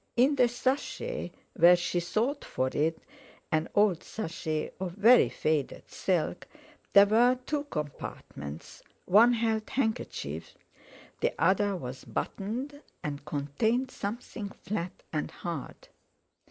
In the sachet where she sought for it—an old sachet of very faded silk—there were two compartments: one held handkerchiefs; the other was buttoned, and contained something flat and hard.